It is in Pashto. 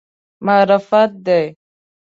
معرفت دی.